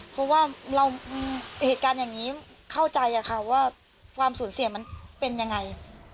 เพราะว่าเหตุการณ์อย่างนี้เข้าใจค่ะว่าความสูญเสียมันเป็นยังไง